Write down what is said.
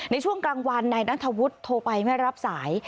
ในช่วงกลางวันนายนัทธวุฒิโทรไปไม่รับสาย